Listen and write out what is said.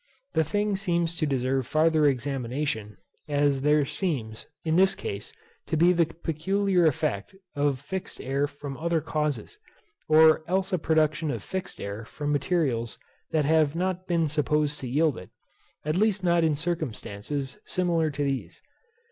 The thing seems to deserve farther examination, as there seems, in this case, to be the peculiar effect of fixed air from other causes, or else a production of fixed air from materials that have not been supposed to yield it, at least not in circumstances similar to these.